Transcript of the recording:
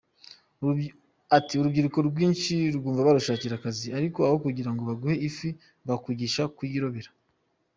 Ati “Urubyiruko rwinshi rwumva barushakira akazi, ariko aho kugira ngo baguhe ifi bakwigisha kuyirobera.